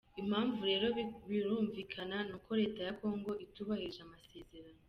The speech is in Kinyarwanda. Impamvu rero birumvikana n’uko leta ya Congo itubahirije amasezerano.